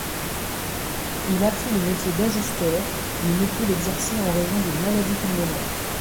Il apprit le métier d'ajusteur, mais ne put l'exercer en raison d'une maladie pulmonaire.